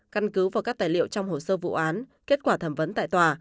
căn cứ vào các tài liệu trong hồ sơ vụ án kết quả thẩm vấn tại tòa